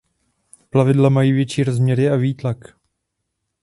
Plavidla mají větší rozměry a výtlak.